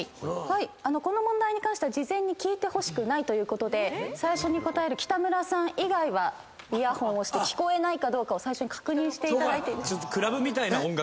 この問題に関しては事前に聞いてほしくないということで最初に答える北村さん以外はイヤホンをして聞こえないかどうかを最初に確認していただいて。